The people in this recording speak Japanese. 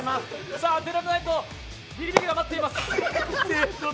当てられないとビリビリが待っています。